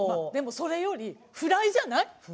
それよりフライじゃない？